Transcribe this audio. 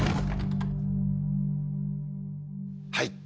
はい。